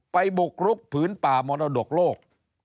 บุกรุกผืนป่ามรดกโลก